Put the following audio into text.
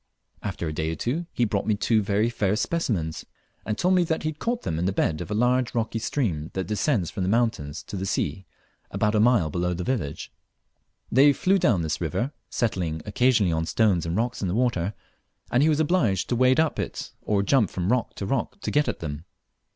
After a day or two he brought me two very fair specimens, and told me he had caught them in the bed of a large rocky stream that descends from the mountains to the sea abort a mile below the village. They flew down this river, settling occasionally on stones and rocks in the water, and he was obliged to wade up it or jump from rock to rock to get at them.